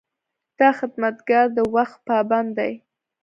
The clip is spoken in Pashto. دا خدمتګر د وخت پابند دی.